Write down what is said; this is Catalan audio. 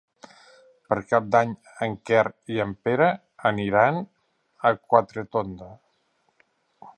Per Cap d'Any en Quer i en Pere iran a Quatretonda.